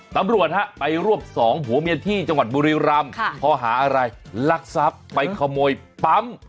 ตำรวจฮะไปรวบสองผัวเมียที่จังหวัดบุรีรำพอหาอะไรลักทรัพย์ไปขโมยปั๊ม